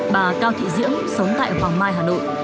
bà cao thị diễm sống tại hoàng mai hà nội